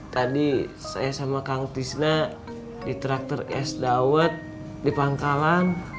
tadi saya sama kang tisna di traktor es dawet di pangkalan